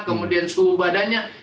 kemudian suhu badannya